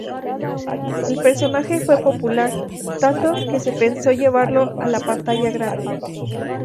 El personaje fue popular, tanto que se pensó llevarlo a la pantalla grande.